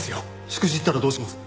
しくじったらどうします？